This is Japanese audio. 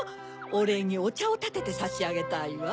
おれいにおちゃをたててさしあげたいわ。